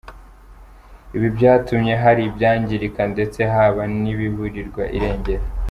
Ibi byatumye hari ibyangirika ndetse haba n’ibiburirwa irengero.